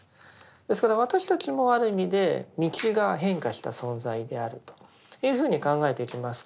ですから私たちもある意味で「道」が変化した存在であるというふうに考えていきますと